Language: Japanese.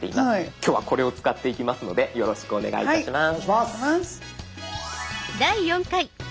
今日はこれを使っていきますのでよろしくお願いいたします。